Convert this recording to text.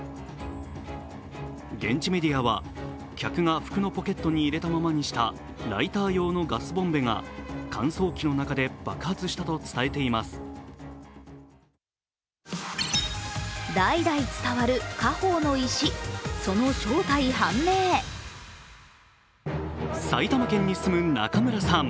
現地メディアは、客が服のポケットに入れたままにしたライター用のガスボンベが乾燥機の中で埼玉県に住む中村さん